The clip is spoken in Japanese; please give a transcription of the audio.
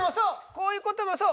こういう事もそう。